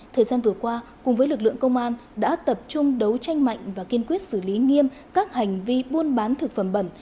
thời gian vừa qua cùng với lực lượng công an đã tập trung đấu tranh mạnh và kiên quyết xử lý nghiêm các hành vi buôn bán thực phẩm bẩn